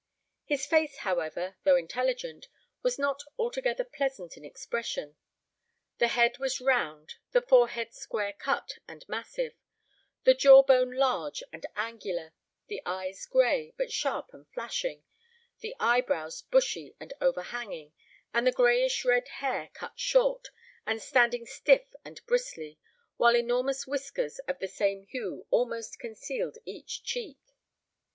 His face, however, though intelligent, was not altogether pleasant in expression; the head was round, the forehead square cut and massive, the jaw bone large and angular, the eyes gray, but sharp and flashing, the eyebrows bushy and overhanging, and the grayish red hair cut short, and standing stiff and bristly, while enormous whiskers of the same hue almost concealed each cheek.